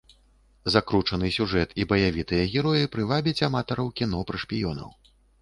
Закручаны сюжэт і баявітыя героі прывабяць аматараў кіно пра шпіёнаў.